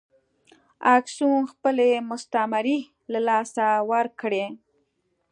اکسوم خپلې مستعمرې له لاسه ورکړې.